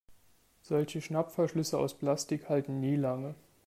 Solche Schnappverschlüsse aus Plastik halten nie lange.